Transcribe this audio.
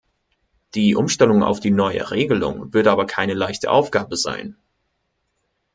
Die Umstellung auf die neue Regelung wird aber keine leichte Aufgabe sein.